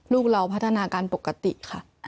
ลูกเราพัฒนาการปกติค่ะ